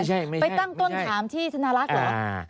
ไปตั้งต้นถามที่ธนารักษ์เหรอ